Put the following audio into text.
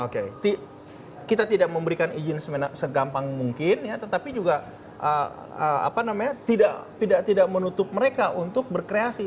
kita tidak memberikan izin segampang mungkin ya tetapi juga tidak menutup mereka untuk berkreasi